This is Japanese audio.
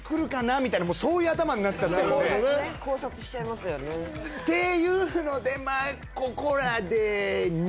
みたいなもうそういう頭になってるんで考察しちゃいますよねっていうのでまあここらで２？